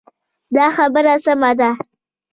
دا خبره سمه ده.